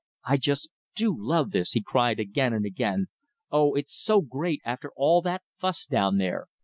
"I just DO love this!" he cried again and again. "Oh, it's great, after all that fuss down there!"